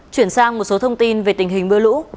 chuyển sang một số thông tin về tình hình mưa lũ